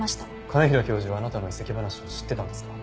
兼平教授はあなたの移籍話を知ってたんですか？